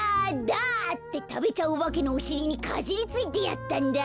だ！」ってたべちゃうおばけのおしりにかじりついてやったんだ。